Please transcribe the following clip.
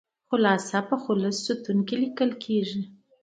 خلاصه په خلص ستون کې لیکل کیږي.